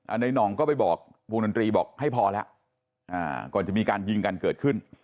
ในน่องก็ไปบอกวงดนตรีบอกให้พอแล้วอ่าก่อนจะมีการยิงกันเกิดขึ้น